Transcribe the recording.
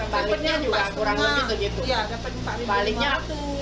baliknya kamu modal sama interest baliknya hampir